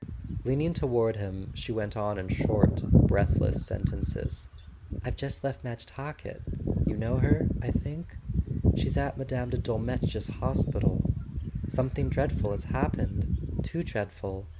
Leaning toward him she went on in short breathless sentences: "I've just left Madge Talkett: you know her, I think ?[ 178 ] A SON AT THE FRONT She's at Mme. de Dolmetsch's hospital. Something dreadful has happened ... too dreadful.